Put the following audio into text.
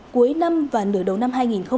cuối năm và nửa đầu năm hai nghìn hai mươi